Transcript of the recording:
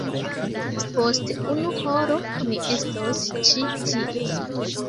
Post unu horo ni estos ĉi tie.